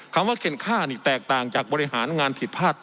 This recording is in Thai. คำว่าเข็นค่านี่แตกต่างจากบริหารงานผิดพลาด